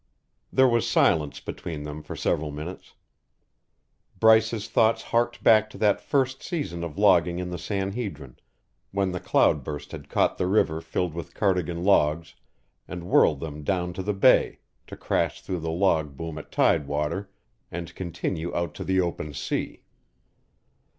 There was silence between them for several minutes. Bryce's thoughts harked back to that first season of logging in the San Hedrin, when the cloud burst had caught the river filled with Cardigan logs and whirled them down to the bay, to crash through the log boom at tidewater and continue out to the open sea.